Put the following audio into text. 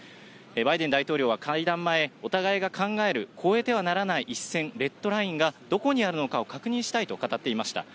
バイデン大統領は会談前、お互いが考える越えてはならない一線、レッドラインがどこにあるのかを確認したいと、語っていました。